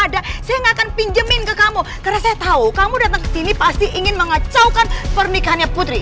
dateng dateng usir usir nih pergi kau pergi